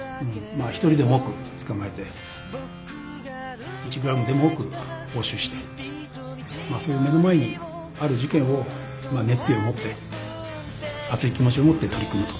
１人でも多く捕まえて１グラムでも多く押収してそういう目の前にある事件を熱意を持って熱い気持ちを持って取り組むと。